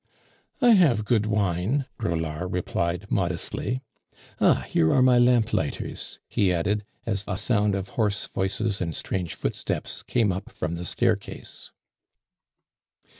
"I have good wine," Braulard replied modestly. "Ah! here are my lamplighters," he added, as a sound of hoarse voices and strange footsteps came up from the staircase.